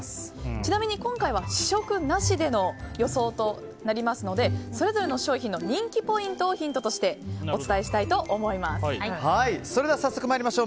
ちなみに今回は試食なしでの予想となりますのでそれぞれの商品の人気ポイントをヒントとしてそれでは早速参りましょう。